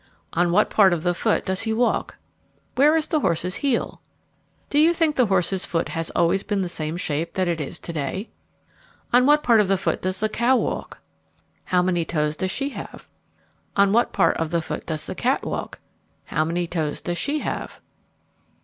On what part of the foot does he walk? Where is the horse's heel? Do you think the horse's foot has always been the same shape that it is to day? On what part of the foot does the cow walk? How many toes does she have? On what part of the foot does the cat walk? How many toes does she have?